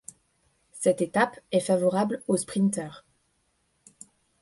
Cette étape est favorable aux sprinteurs.